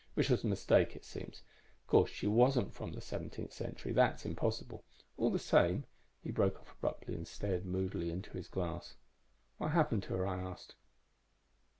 Which was a mistake, it seems. Of course, she wasn't from the seventeenth century. That's impossible. All the same ." He broke off abruptly and stared moodily into his glass. "What happened to her?" I asked.